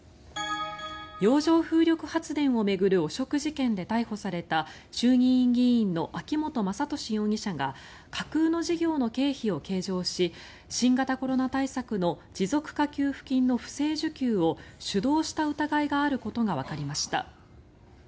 洋上風力発電を巡る汚職事件で逮捕された衆議院議員の秋本真利容疑者が架空の事業の経費を計上し新型コロナ対策の持続化給付金の不正受給を主導した疑いがあることがわかりました。